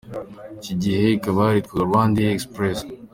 Iki gihe ikaba yaritwaga “RwandAir Express”,